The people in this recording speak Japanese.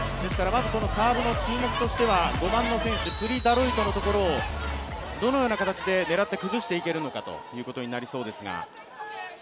まずサーブの注目としては５番の選手、プリ・ダロイトのところをどのような形で狙って崩していけるのかということになりそうです。